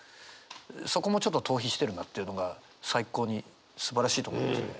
そこもちょっと逃避してるなっていうのが最高にすばらしいと思いますね。